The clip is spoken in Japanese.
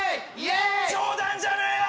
冗談じゃねえよ！